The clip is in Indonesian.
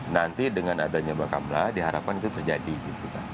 nanti dengan adanya bakamla diharapkan itu terjadi gitu kan